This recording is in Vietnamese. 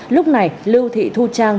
lúc này lưu thị thu trang